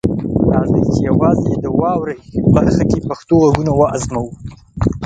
راځئ چې یوازې د "واورئ" برخه کې پښتو غږونه وازموو.